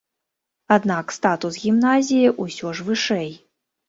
Аднак статус гімназіі ўсё ж вышэй.